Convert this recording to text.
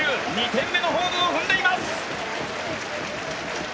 ２点目のホームを踏んでいます！